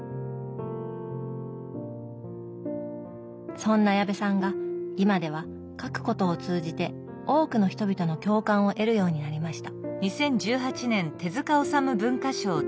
そんな矢部さんが今では描くことを通じて多くの人々の共感を得るようになりました。